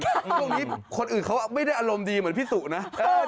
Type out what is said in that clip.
ช่วงนี้คนอื่นเขาไม่ได้อารมณ์ดีเหมือนพี่ตุนะ